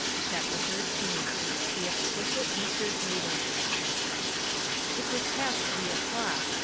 CHAPTER XIII THE EXQUISITE MR. HAYDEN It was past three o'clock.